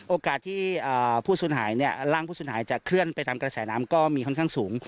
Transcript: โอกาสที่ผู้สูญหายร่างผู้สูญหายจะเคลื่อนไปตามกระแสน้ำก็มีค่อนข้างสูง